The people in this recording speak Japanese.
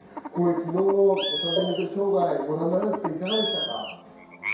昨日の３０００ｍ障害、ご覧になっていかがでしたか？